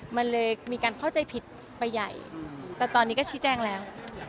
มันเลยมีการเข้าใจผิดไปใหญ่แต่ตอนนี้ก็ชี้แจ้งแล้ว